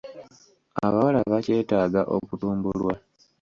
Abawala bakyetaaga okutumbulwa.